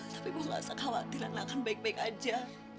tapi bu gak saka wakti lana akan baik baik aja